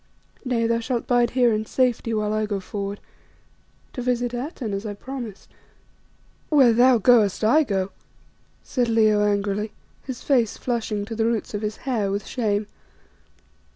Nay, thou shalt bide here in safety whilst I go forward to visit Atene as I promised." "Where thou goest, I go," said Leo angrily, his face flushing to the roots of his hair with shame.